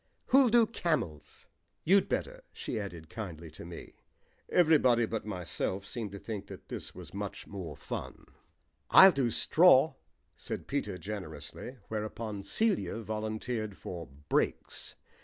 Who'll do 'camels'? You'd better," she added kindly to me. Everybody but myself seemed to think that this was much more fun. "I'll do 'straw,'" said Peter generously, whereupon Celia volunteered for "breaks."